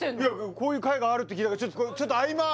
こういう会があるって聞いたからああ